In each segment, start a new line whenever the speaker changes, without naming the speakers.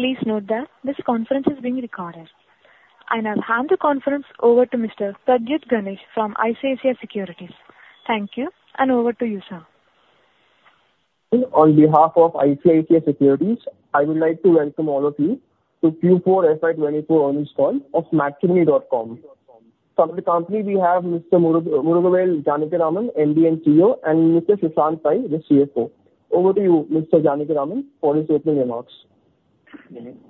Please note that this conference is being recorded, and I'll hand the conference over to Mr. Pradyut Ganesh from ICICI Securities. Thank you, and over to you, sir.
On behalf of ICICI Securities, I would like to welcome all of you to Q4 FY 2024 earnings call of Matrimony.com. From the company, we have Mr. Murugavel Janakiraman, MD and CEO, and Mr. Sushanth Pai, the CFO. Over to you, Mr. Janakiraman, for his opening remarks.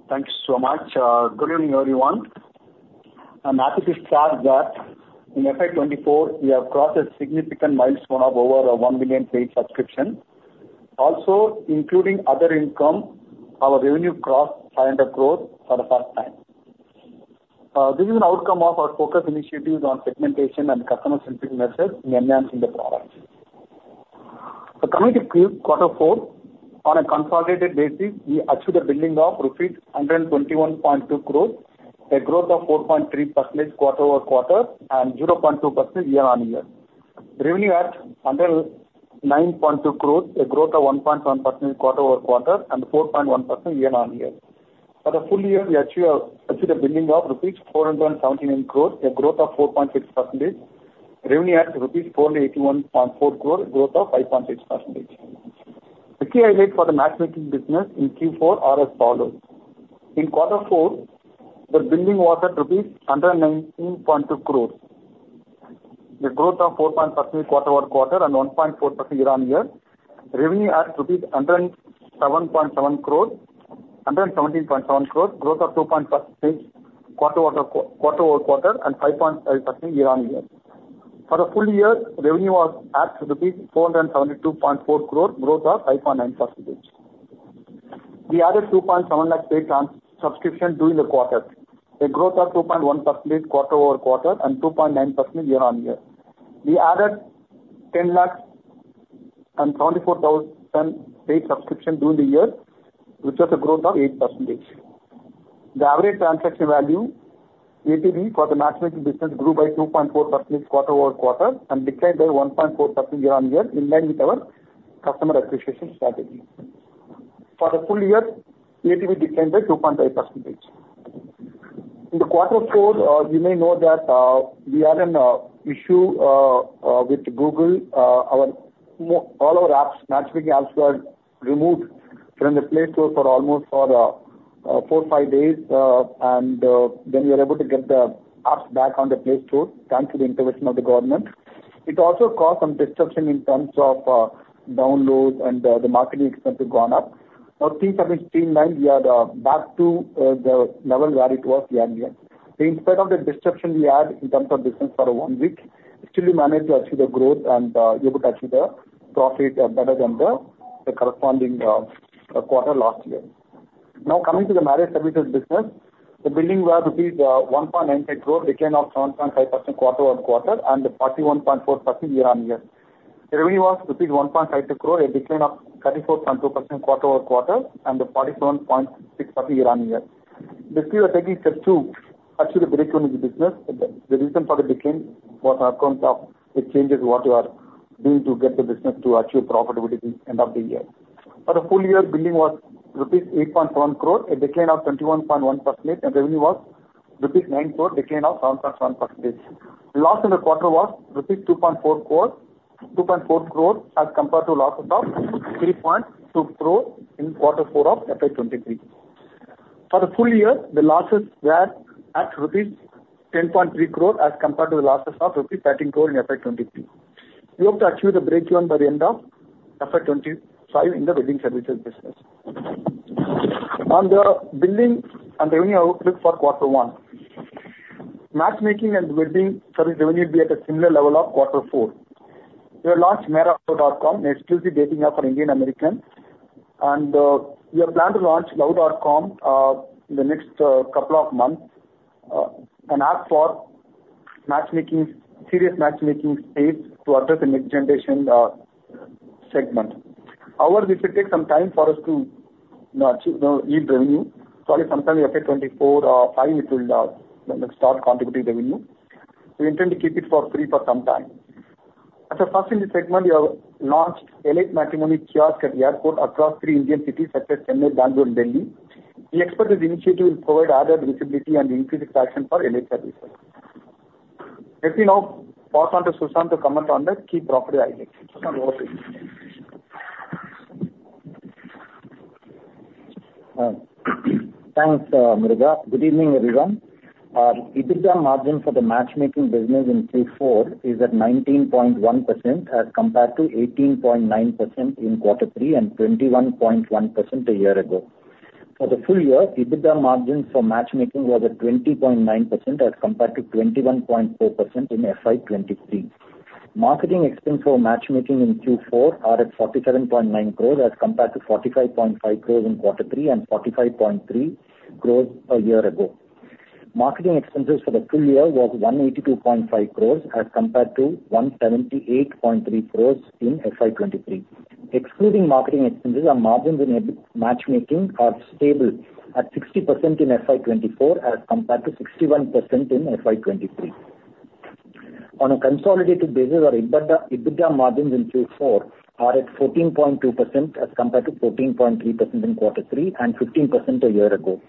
Thanks so much. Good evening, everyone. I'm happy to start that in FY 2024 we have crossed a significant milestone of over 1 million paid subscriptions. Also, including other income, our revenue crossed high-end of growth for the first time. This is an outcome of our focus initiatives on segmentation and customer-centric methods in enhancing the product. Coming to Q4, on a consolidated basis, we achieved a billing of approx of rupees 121.2 crores, a growth of 4.3% quarter-over-quarter and 0.2% year-on-year. Revenue at 109.2 crores, a growth of 1.7% quarter-over-quarter and 4.1% year-on-year. For the full year, we achieved a billing of rupees 479 crores, a growth of 4.6%. Revenue at rupees 481.4 crores, a growth of 5.6%. The key highlight for the matchmaking business in Q4 are as follows. In Q4, the billing was at rupees 119.2 crores, a growth of 4.7% quarter-over-quarter and 1.4% year-on-year. Revenue at rupees 107.7 crores, 117.7 crores, growth of 2.6% quarter-over-quarter and 5.5% year-on-year. For the full year, revenue was at rupees 472.4 crores, growth of 5.9%. We added 2.7 lakh paid subscriptions during the quarter, a growth of 2.1% quarter-over-quarter and 2.9% year-on-year. We added 10 lakh and 74,000 paid subscriptions during the year, which was a growth of 8%. The average transaction value, ATV, for the matchmaking business grew by 2.4% quarter-over-quarter and declined by 1.4% year-on-year in line with our customer acquisition strategy. For the full year, ATV declined by 2.5%. In Q4, you may know that we had an issue with Google. All our matchmaking apps were removed from the Play Store for almost four or five days, and then we were able to get the apps back on the Play Store thanks to the intervention of the government. It also caused some disruption in terms of downloads and the marketing expense had gone up. Now, things have been streamlined. We are back to the level where it was year-on-year. In spite of the disruption we had in terms of business for one week, still we managed to achieve the growth, and you could achieve the profit better than the corresponding quarter last year. Now, coming to the marriage services business, the billing was rupees 1.96 crores, a decline of 7.5% quarter-over-quarter and 41.4% year-on-year. Revenue was 1.56 crores, a decline of 34.2% quarter-over-quarter and 47.6% year-on-year. Basically, we are taking step two to achieve the breakthrough in the business. The reason for the decline was account of the changes what you are doing to get the business to achieve profitability at the end of the year. For the full year, billing was rupees 8.7 crores, a decline of 21.1%, and revenue was rupees 9 crores, a decline of 7.7%. Loss in the quarter was 2.4 crores rupees as compared to losses of 3.2 crores in Q4 of FY 2023. For the full year, the losses were at rupees 10.3 crores as compared to the losses of rupees 13 crores in FY 2023. We hope to achieve the breakthrough by the end of FY 2025 in the wedding services business. On the billing and revenue outlook for Q1, matchmaking and wedding service revenue will be at a similar level of Q4. We have launched MeraLuv.com, an exclusive dating app for Indian-Americans, and we have planned to launch Luv.com in the next couple of months, an app for serious matchmaking space to address the next-generation segment. However, this will take some time for us to achieve revenue. Probably sometime in FY 2025, it will start contributing revenue. We intend to keep it free for some time. As a first in the segment, we have launched EliteMatrimony kiosks at the airport across three Indian cities such as Chennai, Bangalore, and Delhi. The expertise initiative will provide added visibility and increase attraction for Elite services. Let me now pass on to Sushanth to comment on the key property highlights.
Thanks, Murugavel. Good evening, everyone. EBITDA margin for the matchmaking business in Q4 is at 19.1% as compared to 18.9% in Q3 and 21.1% a year ago. For the full year, EBITDA margin for matchmaking was at 20.9% as compared to 21.4% in FY 2023. Marketing expenses for matchmaking in Q4 are at 47.9 crores as compared to 45.5 crores in Q3 and 45.3 crores a year ago. Marketing expenses for the full year were 182.5 crores as compared to 178.3 crores in FY 2023. Excluding marketing expenses, our margins in matchmaking are stable at 60% in FY 2024 as compared to 61% in FY 2023. On a consolidated basis, our EBITDA margins in Q4 are at 14.2% as compared to 14.3% in Q3 and 15% a year ago.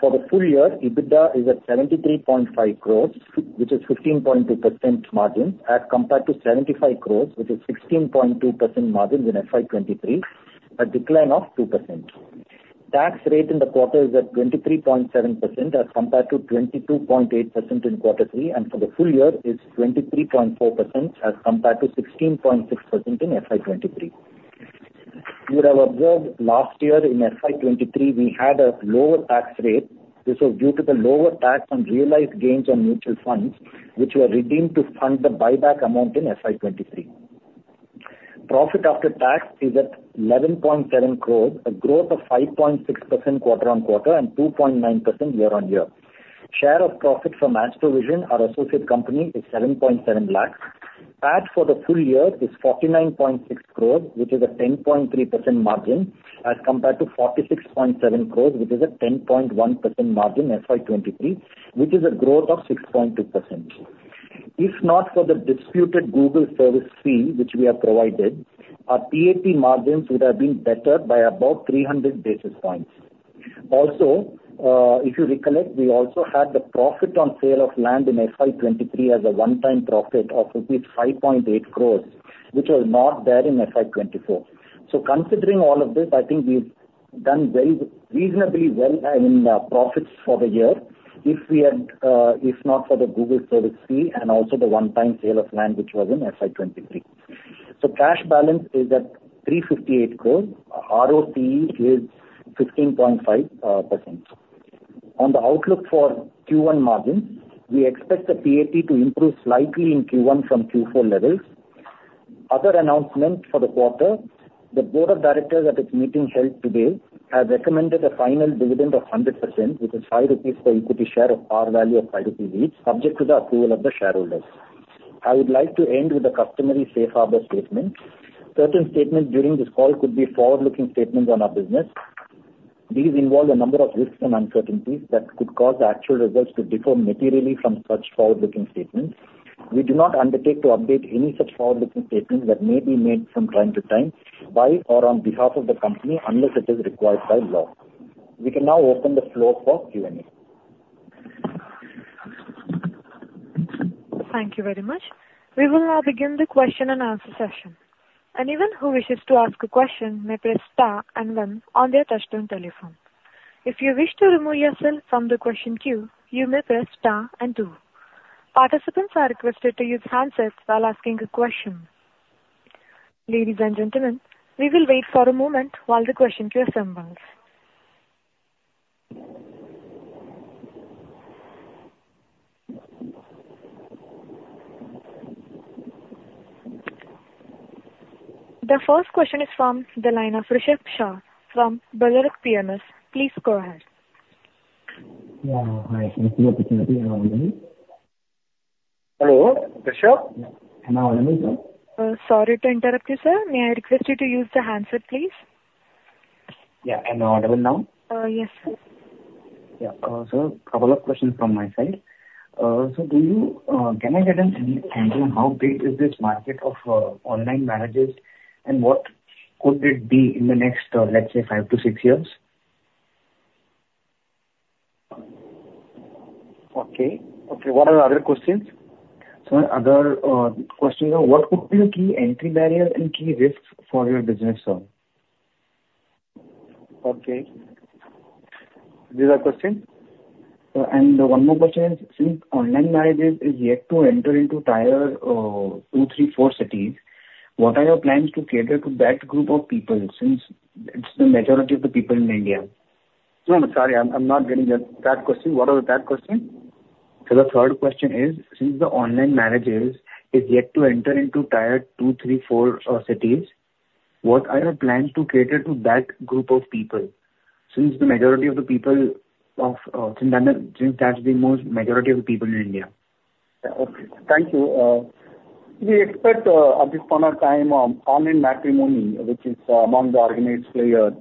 For the full year, EBITDA is at 73.5 crores, which is 15.2% margin as compared to 75 crores, which is 16.2% margin in FY23, a decline of 2%. Tax rate in the quarter is at 23.7% as compared to 22.8% in Q3, and for the full year, it is 23.4% as compared to 16.6% in FY 2023. You would have observed last year in FY 2023, we had a lower tax rate. This was due to the lower tax on realized gains on mutual funds, which were redeemed to fund the buyback amount in FY 20023. Profit after tax is at 11.7 crores, a growth of 5.6% quarter-on-quarter and 2.9% year-on-year. Share of profit for Astro-Vision our associate company is 7.7 lakhs. PAT for the full year is 49.6 crores, which is a 10.3% margin as compared to 46.7 crores, which is a 10.1% margin FY 2023, which is a growth of 6.2%. If not for the disputed Google service fee, which we have provided, our PAT margins would have been better by about 300 basis points. Also, if you recollect, we also had the profit on sale of land in FY 2023 as a one-time profit of rupees 5.8 crores, which was not there in FY 2024. So considering all of this, I think we've done reasonably well in profits for the year if not for the Google service fee and also the one-time sale of land, which was in FY 2023. So cash balance is at 358 crores. ROCE is 15.5%. On the outlook for Q1 margins, we expect the PAT to improve slightly in Q1 from Q4 levels. Other announcements for the quarter: the Board of Directors at its meeting held today has recommended a final dividend of 100%, which is 5 rupees per equity share of par value of 5 rupees each, subject to the approval of the shareholders. I would like to end with a customary safe harbor statement. Certain statements during this call could be forward-looking statements on our business. These involve a number of risks and uncertainties that could cause the actual results to differ materially from such forward-looking statements. We do not undertake to update any such forward-looking statements that may be made from time to time by or on behalf of the company unless it is required by law. We can now open the floor for Q&A.
Thank you very much. We will now begin the question-and-answer session. Anyone who wishes to ask a question may press star and one on their touchscreen telephone. If you wish to remove yourself from the question queue, you may press star and two. Participants are requested to use handsets while asking a question. Ladies and gentlemen, we will wait for a moment while the question queue assembles. The first question is from the line of Rushabh Shah from BugleRock PMS. Please go ahead.
Yeah, hi. Thank you for the opportunity. Am I audible?
Hello, Rushabh?
Am I audible, sir?
Sorry to interrupt you, sir. May I request you to use the handset, please?
Yeah. Am I audible now?
Yes, sir.
Yeah. Sir, a couple of questions from my side. Sir, can I get an answer on how big is this market of online marriages, and what could it be in the next, let's say, five to six years?
Okay. Okay. What are the other questions?
Sir, other questions are: What could be the key entry barrier and key risks for your business, sir?
Okay. These are questions?
One more question is: since online marriages have yet to enter into Tier 2, 3, 4 cities, what are your plans to cater to that group of people since it's the majority of the people in India?
No, no. Sorry. I'm not getting that question. What are the third questions?
Sir, the third question is: since the online marriages have yet to enter into Tier 2, 3, 4 cities, what are your plans to cater to that group of people since that's the majority of the people in India?
Okay. Thank you. We expect, at this point in time, online matrimony, which is among the organized players,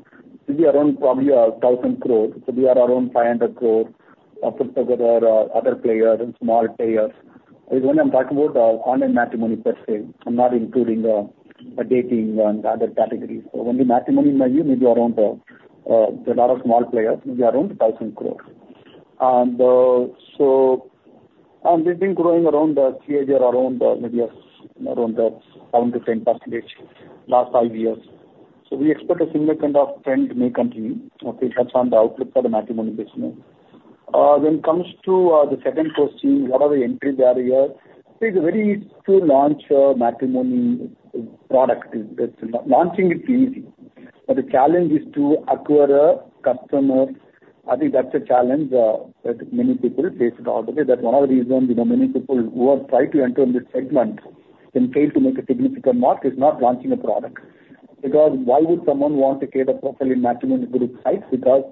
to be around probably 1,000 crores. So we are around 500 crores put together other players and small players. When I'm talking about online matrimony per se, I'm not including dating and other categories. So when the matrimony may be around there are a lot of small players. We are around 1,000 crores. So we've been growing around the CAGR around maybe around 7%-10% last five years. So we expect a similar kind of trend may continue. Okay. That's on the outlook for the matrimony business. When it comes to the second question, what are the entry barriers? It's very easy to launch a matrimony product. Launching it is easy. But the challenge is to acquire a customer. I think that's a challenge that many people face throughout the day. That's one of the reasons many people who have tried to enter in this segment and failed to make a significant mark is not launching a product. Because why would someone want to create a profile in Matrimony group sites? Because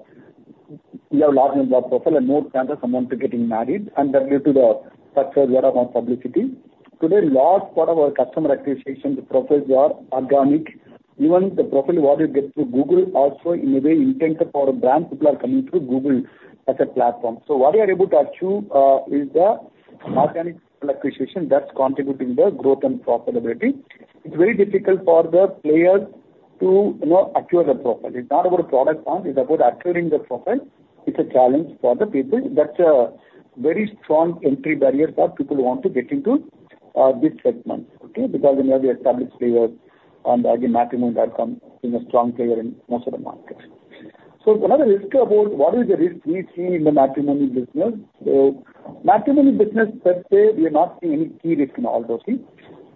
we have a large profile, and no chance of someone getting married. And that led to the success that I want publicity. Today, a large part of our customer acquisition, the profiles are organic. Even the profile what you get through Google also, in a way, in terms of our brand, people are coming through Google as a platform. So what you are able to achieve is the organic acquisition that's contributing to the growth and profitability. It's very difficult for the players to acquire the profile. It's not about a product launch. It's about acquiring the profile. It's a challenge for the people. That's a very strong entry barrier that people want to get into this segment. Okay? Because we have established players on, again, Matrimony.com being a strong player in most of the markets. So another risk about what is the risk we see in the matrimony business? So matrimony business per se, we are not seeing any key risk in all those things.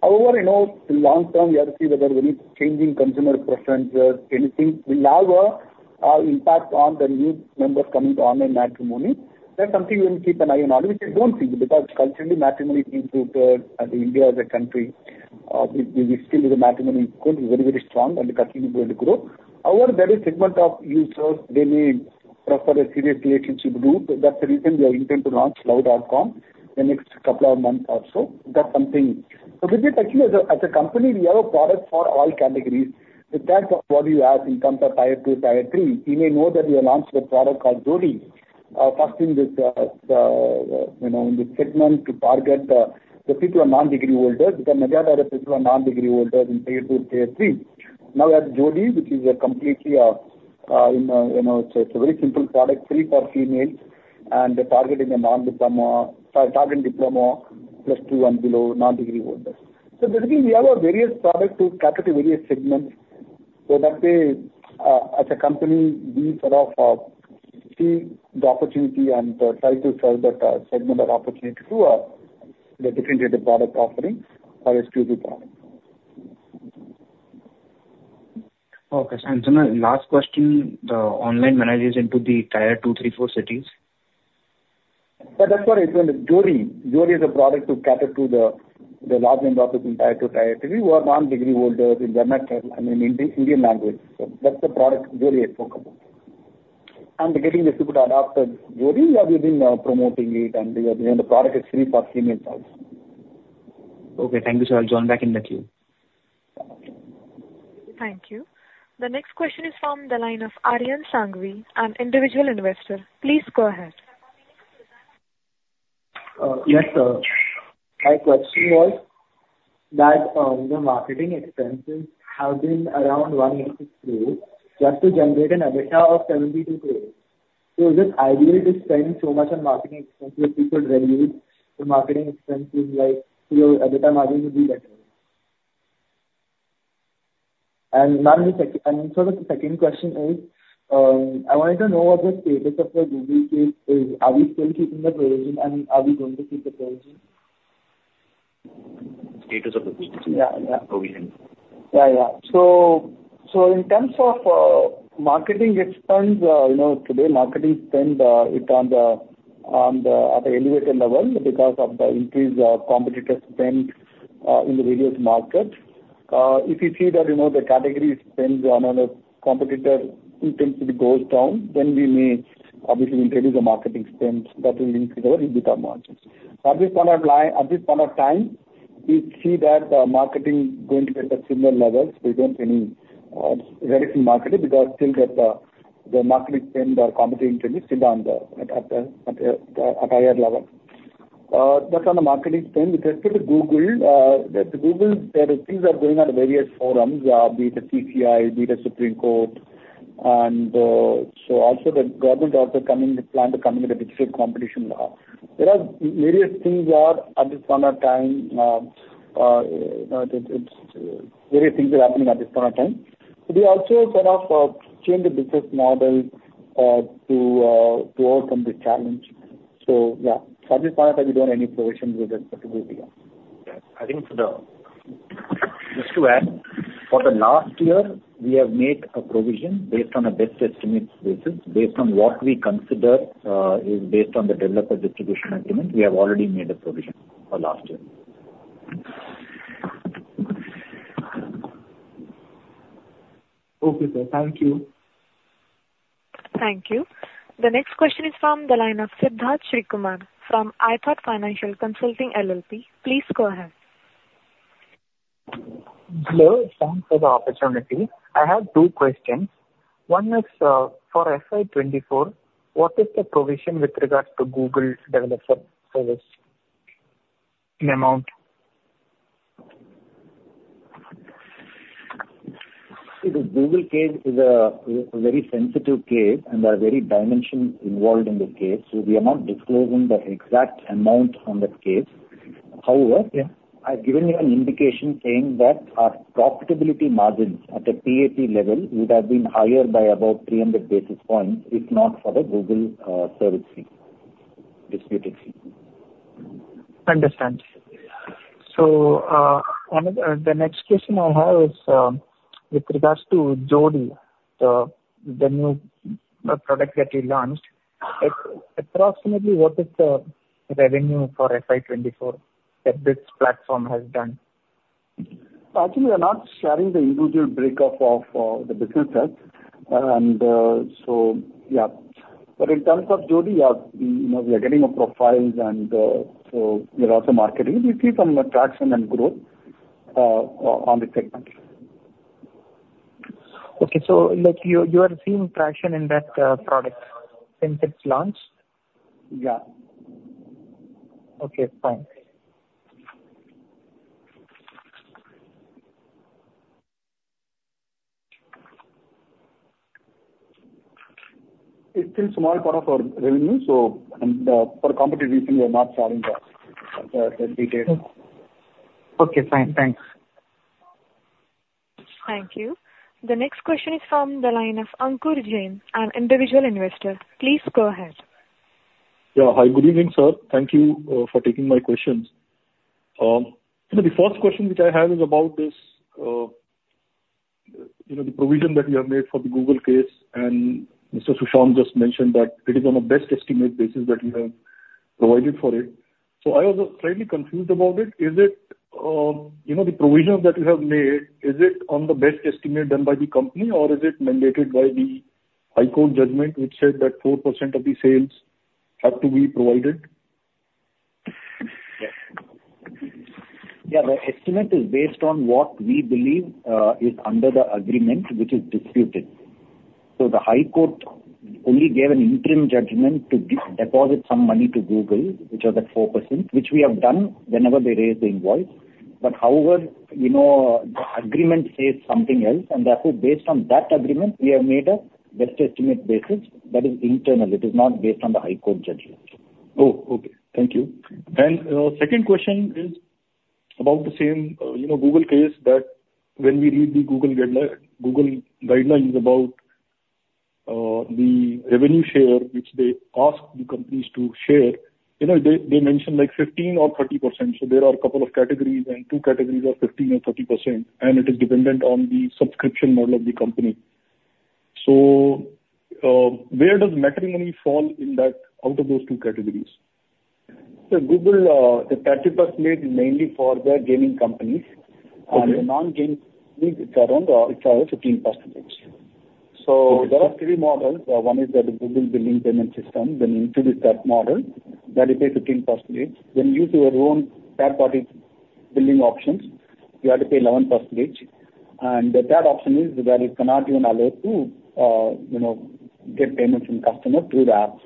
However, in the long term, we have to see whether any changing consumer preferences, anything will have an impact on the new members coming to online matrimony. That's something we will keep an eye on, which we don't see because culturally, matrimony is not as India as a country. We still have a matrimony equity very, very strong and continuing to grow. However, there is a segment of users. They may prefer a serious relationship group. That's the reason we are intending to launch Luv.com the next couple of months or so. That's something. So with it, actually, as a company, we have a product for all categories. If that's what you ask in terms of Tier 2, Tier 3, you may know that we have launched a product called Jodii, focusing this segment to target the people who are non-degree holders because many of our people are non-degree holders in Tier 2, Tier 3. Now we have Jodii, which is completely a it's a very simple product, free for females, and targeting a non-diploma sorry, targeting diploma plus two and below non-degree holders. So basically, we have various products to target various segments. So that way, as a company, we sort of see the opportunity and try to serve that segment of opportunity through the different product offering or exclusive product.
Okay. Last question, the online marriages into the Tier 2, 3, 4 cities?
Yeah. That's what I said. Jodii. Jodii is a product to cater to the large number of people in Tier 2, Tier 3. We were non-degree holders in the I mean, Indian language. So that's the product Jodii is focused on. And getting the support adopted, Jodii, we have been promoting it, and the product is free for females also.
Okay. Thank you, sir. I'll join back in the queue.
Thank you. The next question is from the line of Aryan Sanghvi, an individual investor. Please go ahead.
Yes, sir. My question was that the marketing expenses have been around 186 crores just to generate an EBITDA of 72 crores. So is it ideal to spend so much on marketing expenses if people reduce the marketing expenses? So your EBITDA margin would be better. And sort of the second question is, I wanted to know what the status of the Google case is. Are we still keeping the provision, and are we going to keep the provision?
Status of the Google case?
Yeah, yeah.
Provision?
Yeah, yeah.
So in terms of marketing expense, today, marketing spend is at an elevated level because of the increased competitor spend in the various markets. If you see that the category spend on a competitor intensity goes down, then we may obviously reduce the marketing spend. That will increase our EBITDA margin. At this point of time, we see that marketing is going to be at similar levels. We don't see any reduction in marketing because still the marketing spend or competitor intensity is still at a higher level. That's on the marketing spend. With respect to Google, there are things that are going on at various forums, be it the CCI, be it the Supreme Court. And so also, the government is also planning to come in with a digital competition law. There are various things at this point in time. Various things are happening at this point in time. We also sort of changed the business model to overcome this challenge. Yeah. At this point in time, we don't have any provision with respect to Google.
Yeah. I think, just to add, for the last year, we have made a provision based on a best estimate basis, based on what we consider is based on the Developer Distribution Agreement. We have already made a provision for last year.
Okay, sir. Thank you.
Thank you. The next question is from the line of Sidharth Srikumar from iThought Financial Consulting LLP. Please go ahead.
Hello. Thanks for the opportunity. I have two questions. One is, for FY 2024, what is the provision with regards to Google Developer Service in amount?
See, the Google case is a very sensitive case, and there are various dimensions involved in this case. So we are not disclosing the exact amount on that case. However, I've given you an indication saying that our profitability margins at a PAT level would have been higher by about 300 basis points, if not for the Google service fee, disputed fee.
Understand. So the next question I have is with regards to Jodii, the new product that you launched. Approximately, what is the revenue for FY 2024 that this platform has done?
Actually, we are not sharing the individual breakup of the businesses. And so yeah. But in terms of Jodii, we are getting more profiles, and so we are also marketing. We see some traction and growth on the segment.
Okay. So you are seeing traction in that product since it's launched?
Yeah.
Okay. Fine.
It's still a small part of our revenue. For competitive reasons, we are not sharing that detail.
Okay. Fine. Thanks.
Thank you. The next question is from the line of Ankur Jain, an individual investor. Please go ahead.
Yeah. Hi. Good evening, sir. Thank you for taking my questions. The first question which I have is about the provision that you have made for the Google case. And Mr. Sushanth just mentioned that it is on a best estimate basis that you have provided for it. So I was slightly confused about it. Is it the provision that you have made, is it on the best estimate done by the company, or is it mandated by the high court judgment which said that 4% of the sales have to be provided?
Yeah. Yeah. The estimate is based on what we believe is under the agreement which is disputed. The high court only gave an interim judgment to deposit some money to Google, which was at 4%, which we have done whenever they raise the invoice. However, the agreement says something else. Therefore, based on that agreement, we have made a best estimate basis that is internal. It is not based on the high court judgment.
Oh, okay. Thank you. The second question is about the same Google case that when we read the Google guidelines about the revenue share which they ask the companies to share, they mention 15% or 30%. There are a couple of categories, and two categories are 15% or 30%. It is dependent on the subscription model of the company. Where does Matrimony fall out of those two categories?
The 30% is mainly for the gaming companies. The non-gaming companies, it's around 15%. So there are three models. One is the Google billing payment system. Then include that model that you pay 15%. Then you use your own third-party billing options. You have to pay 11%. The third option is that it cannot even allow you to get payments from customers through the app.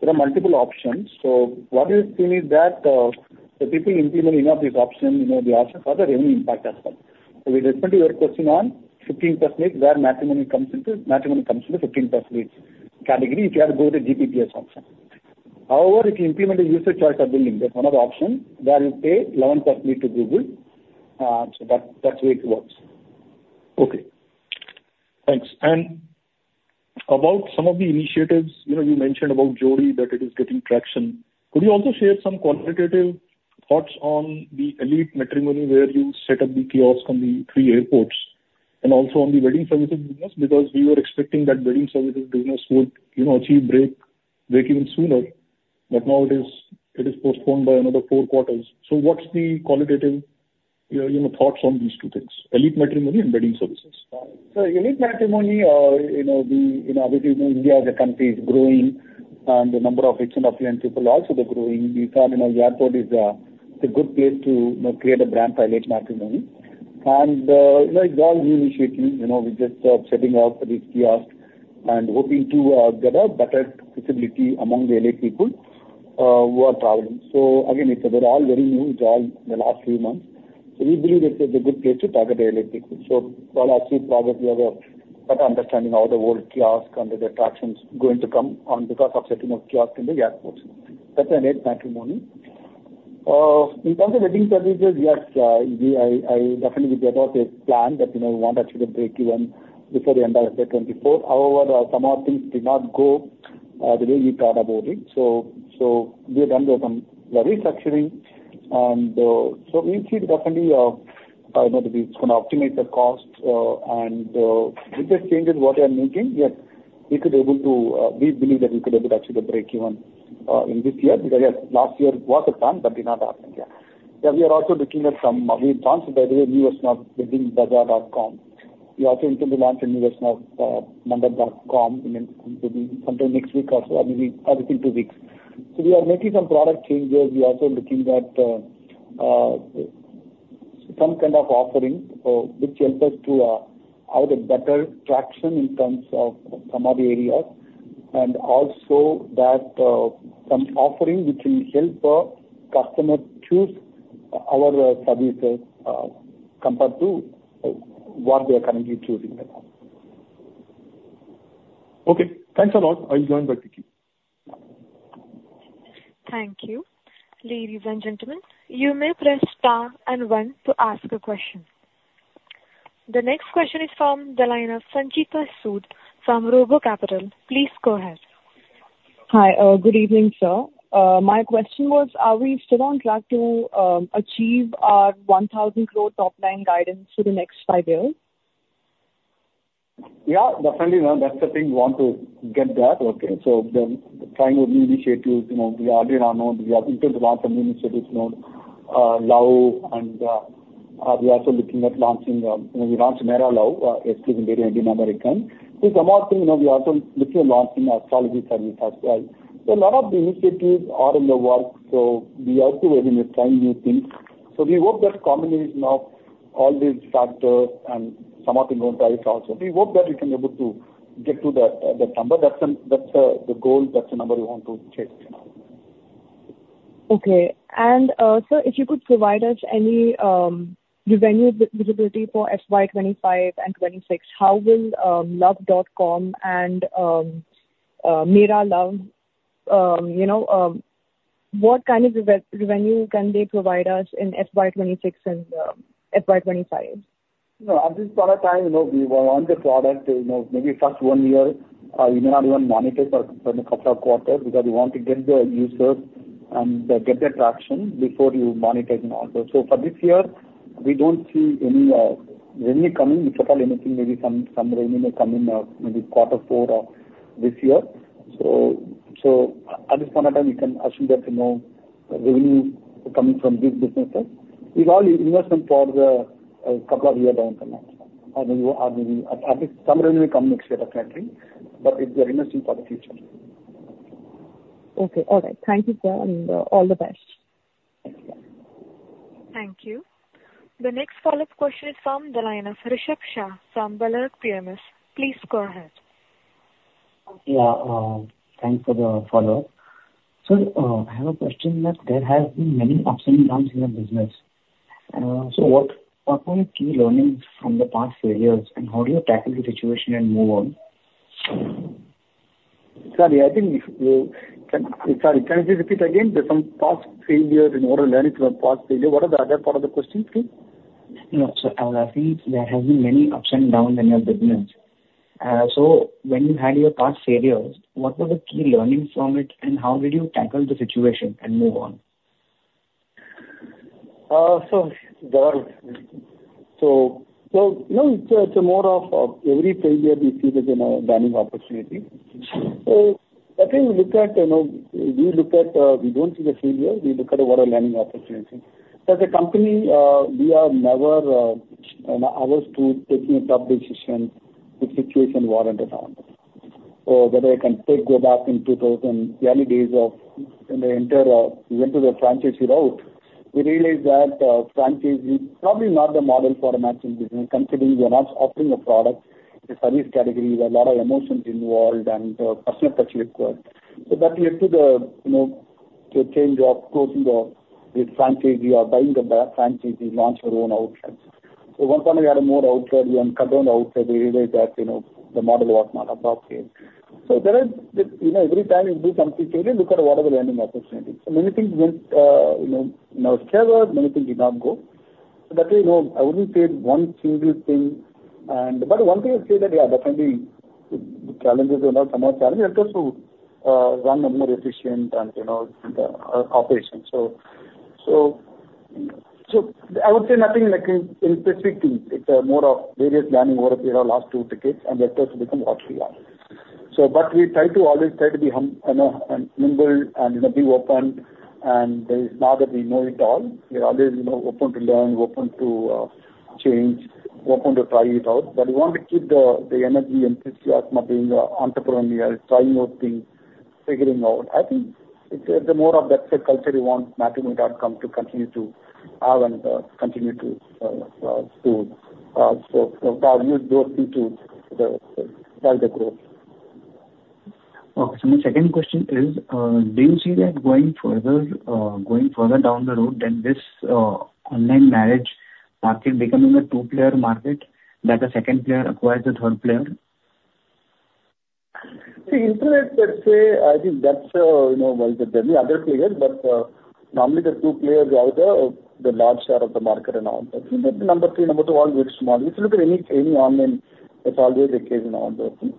There are multiple options. So what we are seeing is that the people implementing all these options, they also have other revenue impact as well. So with respect to your question on 15%, where Matrimony comes into? Matrimony comes into the 15% category if you have to go with the GPBS option. However, if you implement a user choice billing, that's one of the options where you pay 11% to Google. So that's the way it works.
Okay. Thanks. And about some of the initiatives, you mentioned about Jodii that it is getting traction. Could you also share some qualitative thoughts on the EliteMatrimony where you set up the kiosk on the three airports and also on the wedding services business? Because we were expecting that wedding services business would achieve break-even sooner. But now, it is postponed by another four quarters. So what's the qualitative thoughts on these two things, EliteMatrimony and wedding services?
So EliteMatrimony, obviously, India as a country is growing, and the number of external affiliate people also are growing. We found airport is a good place to create a brand for EliteMatrimony. And it's all new initiatives. We're just setting up this kiosk and hoping to get a better visibility among the elite people who are traveling. So again, they're all very new. It's all the last few months. So we believe it's a good place to target the elite people. So for our Elite project, we have a better understanding of the whole kiosk and the attractions going to come because of setting up kiosks in the airports. That's EliteMatrimony. In terms of wedding services, yes. Definitely, we developed a plan that we want to achieve a break-even before the end of FY 2024. However, some of our things did not go the way we thought about it. So we have done some restructuring. And so we see definitely that it's going to optimize the cost. And with the changes what we are making, yes, we could be able to we believe that we could be able to achieve a break-even in this year because, yes, last year was a plan but did not happen. Yeah. Yeah. We are also looking at some we launched, by the way, newest now WeddingBazaar.com. We also intend to launch a newest now Mandap.com sometime next week also. I mean, everything two weeks. So we are making some product changes. We are also looking at some kind of offering which helps us to have a better traction in terms of some of the areas and also some offering which will help customers choose our services compared to what they are currently choosing right now.
Okay. Thanks a lot. I'll join back the queue.
Thank you. Ladies and gentlemen, you may press star and one to ask a question. The next question is from the line of Sanchita Sood from RoboCapital. Please go ahead.
Hi. Good evening, sir. My question was, are we still on track to achieve our 1,000 crore top-line guidance for the next five years?
Yeah. Definitely. That's the thing. We want to get that, okay? So trying with new initiatives. We are doing our own. We are intending to launch a new initiative called Luv. And we are also looking at launching we launched MeraLuv. It's within the Indian-American. So some of the things, we are also looking at launching an astrology service as well. So a lot of the initiatives are in the works. So we are also working with trying new things. So we hope that combination of all these factors and some of the pricing also, we hope that we can be able to get to that number. That's the goal. That's the number we want to chase.
Okay. And sir, if you could provide us any revenue visibility for FY 2025 and FY 2026, how will Luv.com and MeraLuv what kind of revenue can they provide us in FY 2026 and FY 2025?
No. At this point in time, we want the product to maybe first one year. We may not even monitor for a couple of quarters because we want to get the users and get their traction before you monitor it also. So for this year, we don't see any revenue coming. If at all anything, maybe some revenue will come in maybe quarter four of this year. So at this point in time, we can assume that revenue coming from these businesses is all investment for a couple of years down from now. At least some revenue will come next year, definitely. But it's very interesting for the future.
Okay. All right. Thank you, sir, and all the best. Thank you.
Thank you. The next follow-up question is from the line of Rushabh Shah from BugleRock PMS. Please go ahead.
Yeah. Thanks for the follow-up. Sir, I have a question that there have been many ups and downs in your business. So what were your key learnings from the past failures, and how do you tackle the situation and move on?
Sorry. I think if you can, sorry. Can you please repeat again? There's some past failures in order to learn from past failures. What is the other part of the question, please?
No, sir, I think there have been many ups and downs in your business. So when you had your past failures, what were the key learnings from it, and how did you tackle the situation and move on?
So it's more of every failure we see is a learning opportunity. So I think we look at we don't see the failure. We look at what our learning opportunities. As a company, we are never averse to taking a tough decision when the situation warrants. So I can go back to the early days when we entered, we went to the franchise route, we realized that franchise is probably not the model for a matching business considering we are not offering a product in the service category. There are a lot of emotions involved and personal touch required. So that led to the change of closing the franchise or buying the franchise, launch our own outlets. So at one point, we had more outlets. When we cut down the outlets, we realized that the model was not appropriate. So every time you do something failure, look at what are the learning opportunities. So many things went in our favor. Many things did not go. So that way, I wouldn't say one single thing but one thing I would say that, yeah, definitely, the challenges were not some more challenges. Helped us to run more efficient and operation. So I would say nothing in specific things. It's more of various learning over the last two decades and helped us to become what we are. But we try to always try to be humble and be open. And now that we know it all, we are always open to learn, open to change, open to try it out. But we want to keep the energy and enthusiasm of being entrepreneurial, trying new things, figuring out. I think it's more of that culture we want Matrimony to continue to have and continue to do. So we'll use those things to drive the growth.
Okay. So my second question is, do you see that going further down the road, then this online marriage market becoming a two-player market that a second player acquires a third player?
See, internet, let's say, I think that's well, there are many other players. But normally, the two players out there, the large share of the market are now online. Number three. Number two, all very small. If you look at any online, it's always the case now on those things.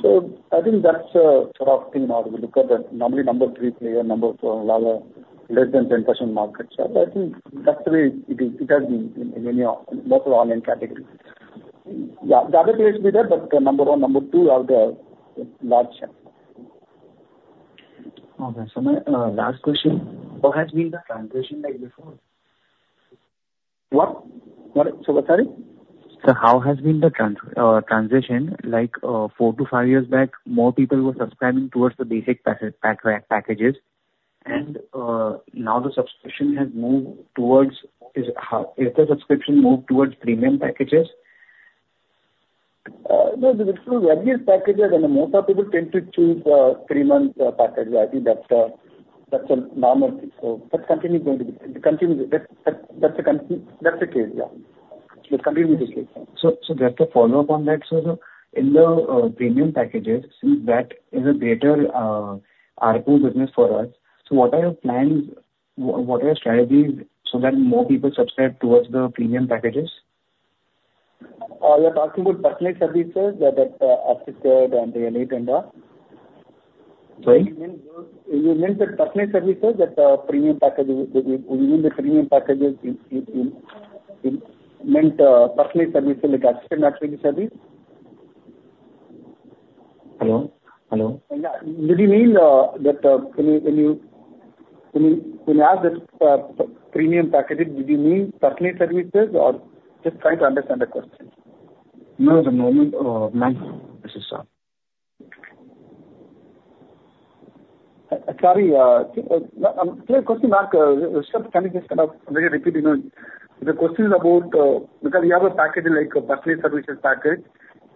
So I think that's sort of thing now. We look at that. Normally, number three player, number four, a lot less than 10% market share. I think that's the way it has been in most of the online categories. Yeah. The other players will be there, but number one, number two are the large.
Okay. My last question, how has been the transition like before?
What? Sorry?
How has been the transition? Four to five years back, more people were subscribing towards the basic packages. Now, has the subscription moved towards premium packages?
No. There are various packages. Most of the people tend to choose three-month packages. I think that's a normal thing. So that's continuing going to be that's the case, yeah. It's continuing to stay the same.
Just to follow up on that, sir, in the premium packages, since that is a greater ARPU business for us, what are your plans? What are your strategies so that more people subscribe towards the premium packages?
You're talking about personal services that are assisted and the Elite and all?
Sorry?
You meant the personal services that are premium packages? You mean the premium packages meant personal services like assisted matching services?
Hello? Hello?
Yeah. Did you mean that when you asked that premium packages, did you mean personal services or just trying to understand the question?
No. At the moment, my question is, sir. Sorry. I'm still questioning Mark. Rushabh, can you just kind of repeat? The question is about because we have a package like a personal services package.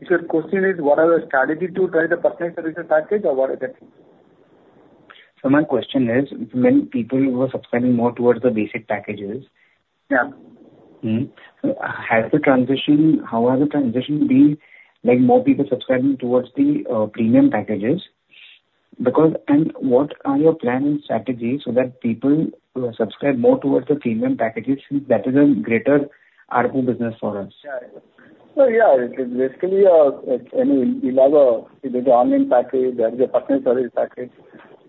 So the question is, what are the strategies to try the personal services package or what is it?
My question is, many people were subscribing more towards the basic packages. How has the transition been? More people subscribing towards the premium packages? What are your plans and strategies so that people subscribe more towards the premium packages since that is a greater ARPU business for us?
Yeah. So yeah. Basically, we have the online package. There is a personal service package.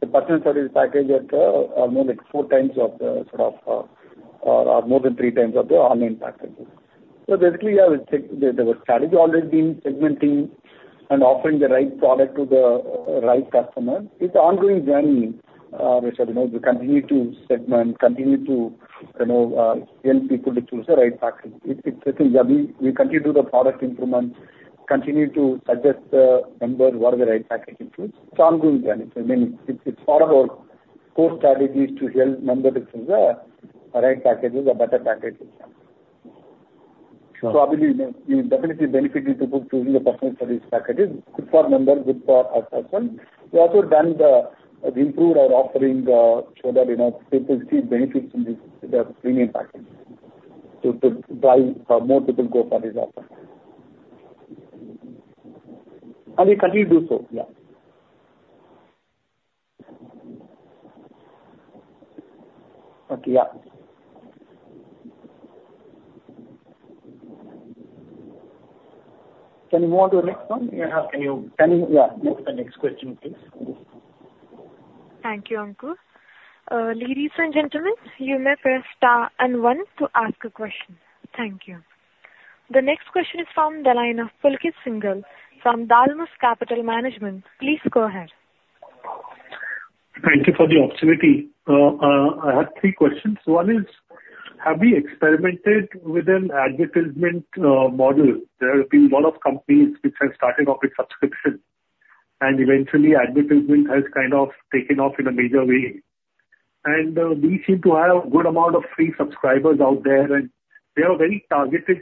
The personal service package are more like 4x of the sort of or more than 3x of the online packages. So basically, yeah, the strategy has always been segmenting and offering the right product to the right customer. It's an ongoing journey, Rushabh. We continue to segment, continue to help people to choose the right package. It's the thing. Yeah. We continue to do the product improvement, continue to suggest to members what are the right packages to use. It's an ongoing journey. I mean, it's part of our core strategies to help members choose the right packages, the better packages. So I believe we definitely benefited from choosing the personal service packages, good for members, good for us as well. We also improved our offering so that people see benefits in the premium packages so that more people go for this offer. We continue to do so, yeah. Okay. Yeah. Can you move on to the next one?
Yeah. Can you. Can you move to the next question, please?
Thank you, Ankur. Ladies and gentlemen, you may press star and one to ask a question. Thank you. The next question is from the line of Pulkit Singhal from Dalmus Capital Management. Please go ahead.
Thank you for the opportunity. I have three questions. One is, have we experimented with an advertisement model? There have been a lot of companies which have started off with subscription. Eventually, advertisement has kind of taken off in a major way. We seem to have a good amount of free subscribers out there. They are a very targeted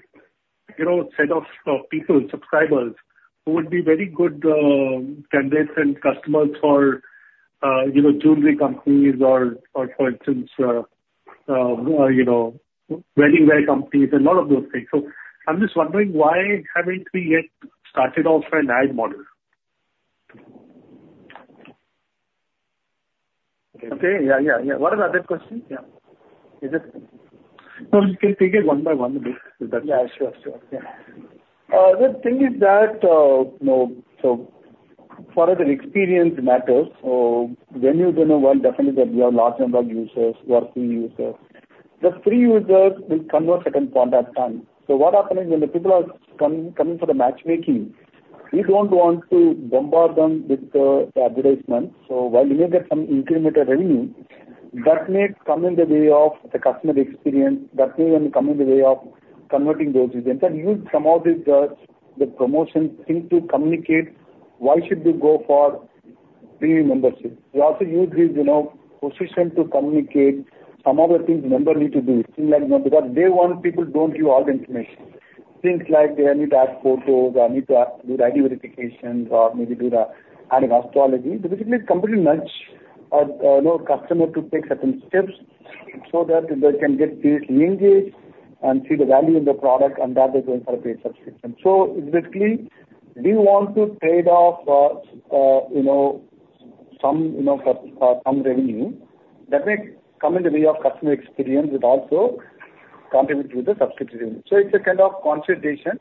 set of people, subscribers, who would be very good candidates and customers for jewelry companies or, for instance, wedding wear companies and a lot of those things. So I'm just wondering, why haven't we yet started off an ad model?
Okay. Yeah. Yeah. Yeah. What about that question? Yeah. Is it?
No. You can take it one by one a bit. If that's okay.
Yeah. Sure. Sure. Yeah. The thing is that so far as the experience matters, when you do know well, definitely that we have large number of users, working users. The free users will convert at some point of time. So what happens when the people are coming for the matchmaking, we don't want to bombard them with the advertisements. So while you may get some incremental revenue, that may come in the way of the customer experience. That may come in the way of converting those users. And you use some of the promotion things to communicate, "Why should you go for premium membership?" You also use this position to communicate some of the things members need to do because they want people don't give all the information. Things like they need to add photos or need to do the ID verifications or maybe do the adding astrology. Basically, it's completely nudge a customer to take certain steps so that they can get fully engaged and see the value in the product, and that they're going for a paid subscription. So basically, we want to trade off some revenue that may come in the way of customer experience that also contributes to the subscription revenue. So it's a kind of consolidation.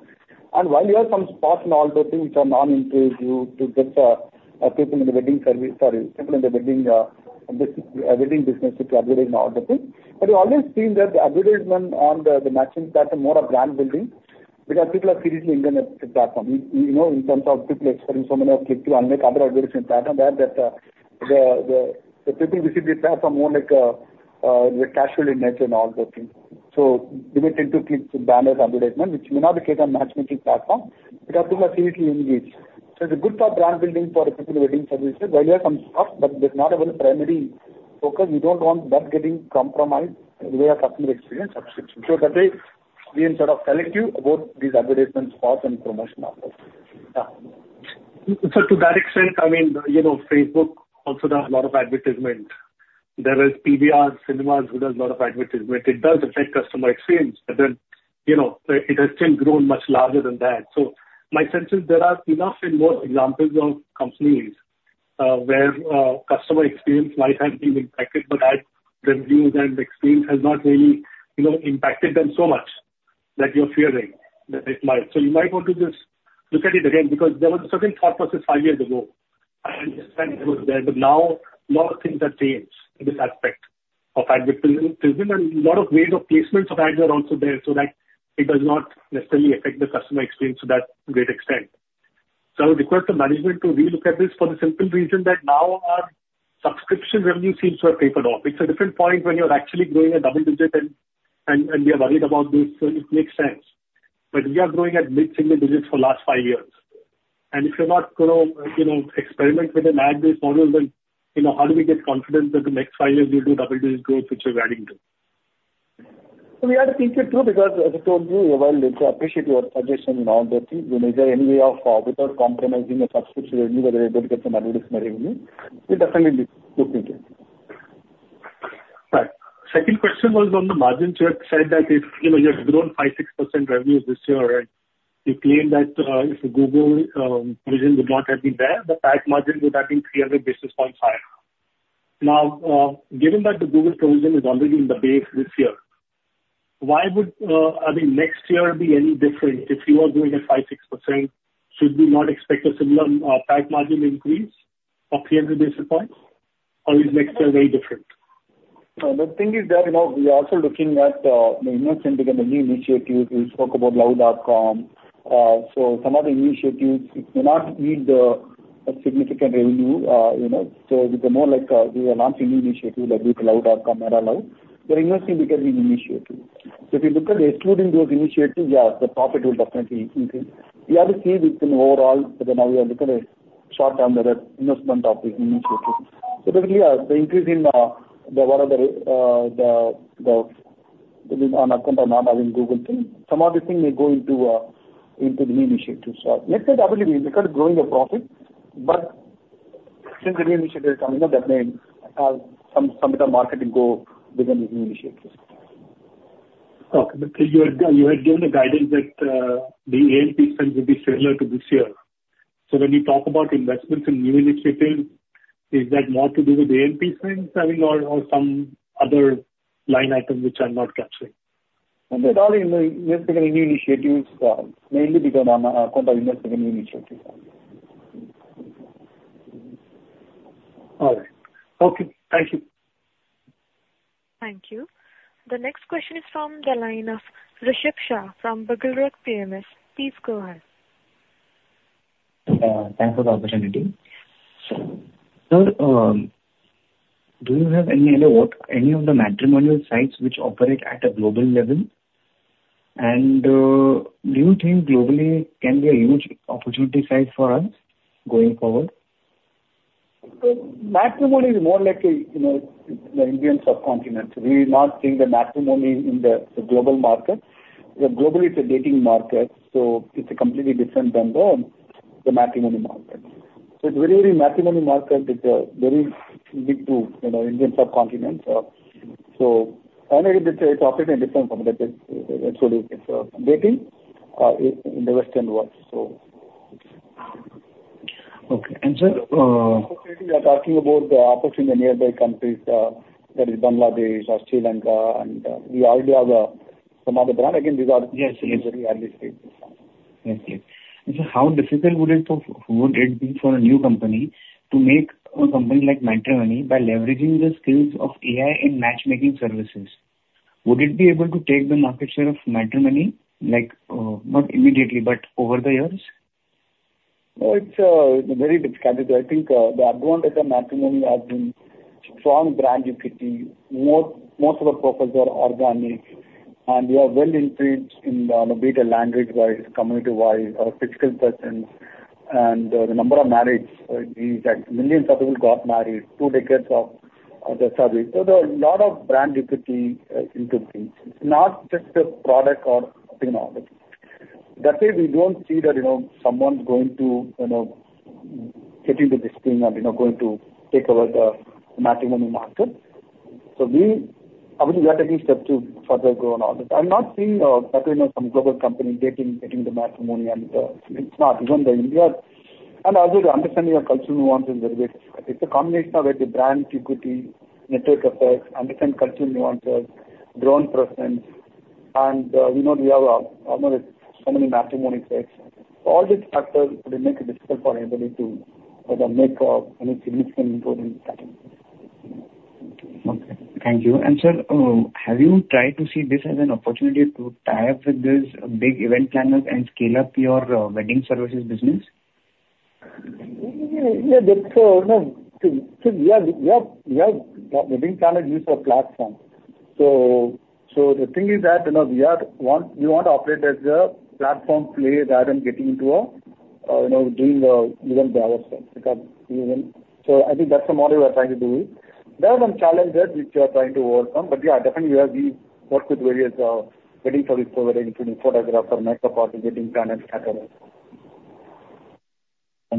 And while you have some spots in all those things which are non-intrusive to get people in the wedding service sorry, people in the wedding business to advertise and all those things, but we always see that the advertisement on the matching platform is more a brand building because people are seriously into the platform in terms of people experiencing so many clicks to unlock other advertising platforms there that the people visit the platform more casually in nature and all those things. So they may tend to click banners and advertisements, which may not be the case on matchmaking platform because people are seriously engaged. So it's a good for brand building for people in wedding services while you have some spots, but there's not a very primary focus. We don't want that getting compromised in the way of customer experience subscription. So that way, we can sort of select you about these advertisement spots and promotion offers. Yeah.
So to that extent, I mean, Facebook, also, there are a lot of advertisement. There is PVR Cinemas, who does a lot of advertisement. It does affect customer experience, but then it has still grown much larger than that. So my sense is there are enough and more examples of companies where customer experience might have been impacted, but ad reviews and experience have not really impacted them so much that you're fearing that it might. So you might want to just look at it again because there was a certain thought process five years ago. I understand it was there. But now, a lot of things have changed in this aspect of advertisement, and a lot of ways of placements of ads are also there so that it does not necessarily affect the customer experience to that great extent. So I would request the management to relook at this for the simple reason that now, our subscription revenue seems to have tapered off. It's a different point when you're actually growing at double-digit, and we are worried about this. So it makes sense. But we are growing at mid-single digits for the last five years. And if you're not going to experiment with an ad-based model, then how do we get confident that the next five years, you'll do double-digit growth which you're adding to?
So we have to think it through because, as I told you, well, I appreciate your suggestion and all those things. I mean, is there any way of without compromising the subscription revenue, whether you're able to get some advertisement revenue? We'll definitely look into it.
Right. Second question was on the margin. So you said that if you had grown 5%-6% revenues this year, and you claim that if the Google provision would not have been there, the ad margin would have been 300 basis points higher. Now, given that the Google provision is already in the base this year, why would, I mean, next year be any different? If you are doing a 5%-6%, should we not expect a similar ad margin increase of 300 basis points? Or is next year very different?
The thing is that we are also looking at investing in the new initiatives. We spoke about Luv.com. So some other initiatives, they may not need a significant revenue. So it's more like we are launching new initiatives like Luv.com, MeraLuv. They're investing because of the initiatives. So if you look at excluding those initiatives, yeah, the profit will definitely increase. We have to see within overall, but then now, we are looking at short-term investment of these initiatives. So basically, yeah, the increase in the what are the on account of not having Google thing, some of these things may go into the new initiatives. So next year, I believe we will start growing the profit. But since the new initiative is coming up, that may have some bit of marketing go within these new initiatives.
Okay. But you had given the guidance that the A&P spend would be similar to this year. So when you talk about investments in new initiatives, is that more to do with A&P spend, I mean, or some other line items which are not capturing?
No. They're all invested in new initiatives, mainly because on account of investing in new initiatives.
All right. Okay. Thank you.
Thank you. The next question is from the line of Rushabh Shah from BugleRock PMS. Please go ahead.
Thanks for the opportunity. Sir, do you have any of the matrimonial sites which operate at a global level? Do you think globally can be a huge opportunity site for us going forward?
So matrimony is more like the Indian subcontinent. We do not think that matrimony is in the global market. Globally, it's a dating market. So it's a completely different vendor, the matrimony market. So it's a very, very matrimony market. It's a very big Indian subcontinent. So anyway, it's operating in a different form. That's what it is. It's dating in the Western world, so.
Okay. And sir.
Unfortunately, we are talking about the opportunity in nearby countries that is Bangladesh or Sri Lanka. We already have some other brands. Again, these are very early stages.
Yes. Yes. And sir, how difficult would it be for a new company to make a company like Matrimony by leveraging the skills of AI and matchmaking services? Would it be able to take the market share of Matrimony not immediately, but over the years?
Well, it's a very big challenge. I think the advantage of Matrimony has been strong brand equity. Most of the profits are organic. We are well-intuited in the data language-wise, community-wise, physical presence. The number of marriages, millions of people got married, two decades of the service. So there are a lot of brand equity into things, not just the product or thing and all this. That way, we don't see that someone's going to get into this thing and going to take over the matrimony market. So I believe we are taking steps to further grow and all this. I'm not seeing that way in some global companies getting into matrimony. It's not. Even in India. Also, understanding your cultural nuances is a bit it's a combination of the brand equity, network effects, understand cultural nuances, grown presence. We know we have almost so many matrimony sites. All these factors would make it difficult for anybody to make any significant improvement in the strategy.
Okay. Thank you. And sir, have you tried to see this as an opportunity to tie up with these big event planners and scale up your wedding services business?
Yeah. Yeah. Yeah. We have wedding planners use our platform. So the thing is that we want to operate as a platform player rather than getting into doing the event by ourselves because even. So I think that's the model we are trying to do. There are some challenges which we are trying to overcome. But yeah, definitely, we have worked with various wedding service providers, including photographer, makeup artist, wedding planner, etc.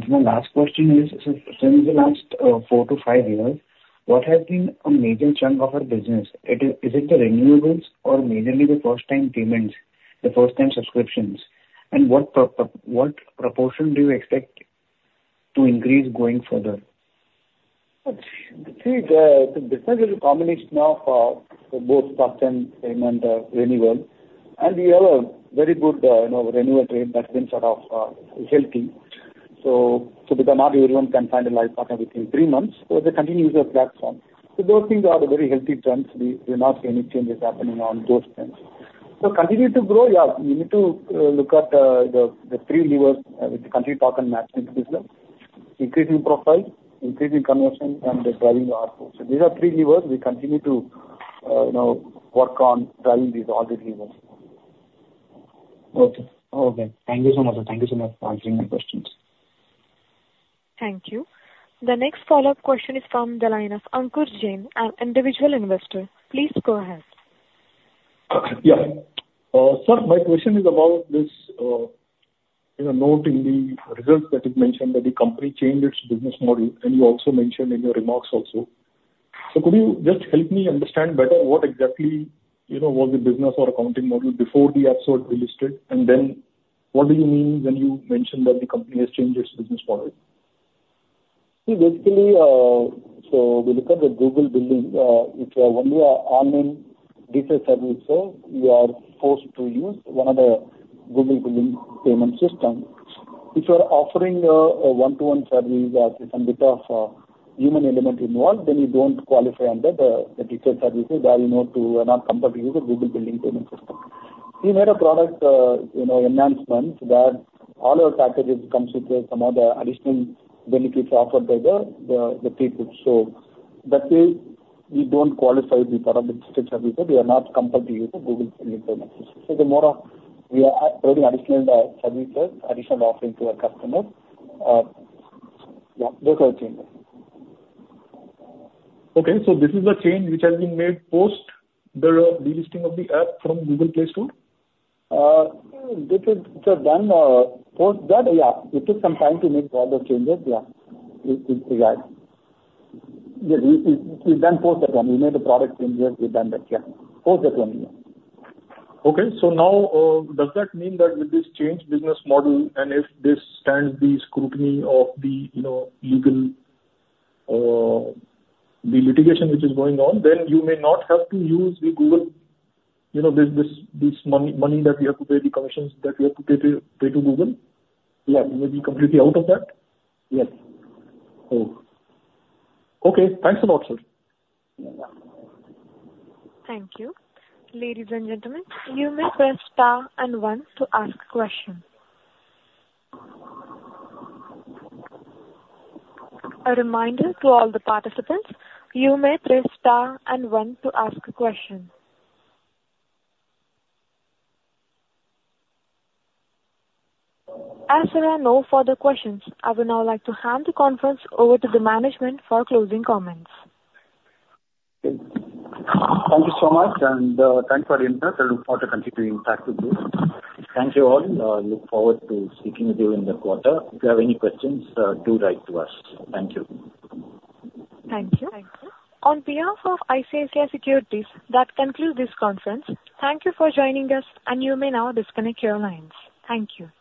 My last question is, so in the last four to five years, what has been a major chunk of our business? Is it the renewals or mainly the first-time payments, the first-time subscriptions? And what proportion do you expect to increase going further?
The thing is that the business is a combination of both first-time payment renewal. We have a very good renewal trade that's been sort of healthy. Because not everyone can find a life partner within three months, so they continue to use our platform. Those things are the very healthy trends. We do not see any changes happening on those trends. Continue to grow, yeah. We need to look at the three levers with the country talk and matchmaking business: increasing profile, increasing conversion, and driving the output. These are three levers. We continue to work on driving all these levers.
Okay. Okay. Thank you so much, sir. Thank you so much for answering my questions.
Thank you. The next follow-up question is from the line of Ankur Jain, an individual investor. Please go ahead.
Yes. Sir, my question is about this note in the results that you mentioned that the company changed its business model. And you also mentioned in your remarks also. So could you just help me understand better what exactly was the business or accounting model before the ads were released? And then what do you mean when you mentioned that the company has changed its business model?
See, basically, so we look at the Google billing. If you are only an online data service, sir, you are forced to use one of the Google billing payment systems. If you are offering a one-to-one service with some bit of human element involved, then you don't qualify under the digital services that, you know, too, are not compelled to use a Google billing payment system. We made a product enhancement that all our packages come with some other additional benefits offered by the people. So that way, we don't qualify to be part of the digital services. We are not compelled to use a Google billing payment system. So they're more of we are providing additional services, additional offerings to our customers. Yeah. Those are the changes.
Okay. So this is a change which has been made post the delisting of the app from Google Play Store?
It was done post that. Yeah. It took some time to make all those changes. Yeah. Yeah. We've done post that one. We made the product changes. We've done that. Yeah. Post that one, yeah.
Okay. So now, does that mean that with this changed business model and if this stands the scrutiny of the litigation which is going on, then you may not have to lose to Google this money that you have to pay, the commissions that you have to pay to Google?
Yes.
You may be completely out of that?
Yes.
Okay. Thanks a lot, sir.
Thank you. Ladies and gentlemen, you may press star and one to ask a question. A reminder to all the participants, you may press star and one to ask a question. As there are no further questions, I would now like to hand the conference over to the management for closing comments.
Thank you so much. Thanks for the interest. I look forward to continuing back to this.
Thank you all. I look forward to speaking with you in the quarter. If you have any questions, do write to us. Thank you.
Thank you. On behalf of ICICI Securities, that concludes this conference. Thank you for joining us. And you may now disconnect your lines. Thank you.